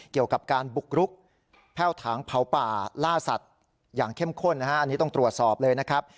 เกี่ยวกับการบุกรุกแพ่วถางเผาป่าล่าสัตว์อย่างเข้มข้นนะฮะอันนี้ต้องตรวจสอบเลยนะครับ